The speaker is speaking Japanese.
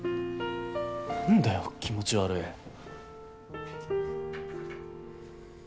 何だよ気持ち悪い。